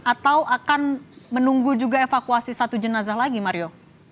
atau akan menunggu juga evakuasi satu jenazah lagi mario